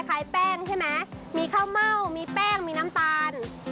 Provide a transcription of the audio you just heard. คล้ายแป้งใช่ไหมมีข้าวเม่ามีแป้งมีน้ำตาล